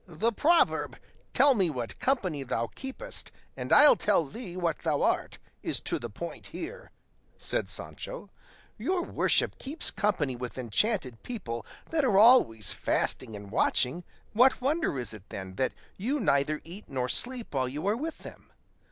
"The proverb, 'Tell me what company thou keepest and I'll tell thee what thou art,' is to the point here," said Sancho; "your worship keeps company with enchanted people that are always fasting and watching; what wonder is it, then, that you neither eat nor sleep while you are with them?